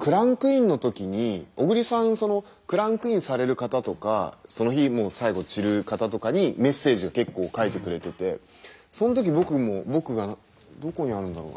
クランクインの時に小栗さんそのクランクインされる方とかその日最後散る方とかにメッセージを結構書いてくれててその時僕も僕がどこにあるんだろう。